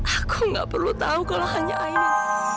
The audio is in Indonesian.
aku tidak perlu tahu kalau hanya aini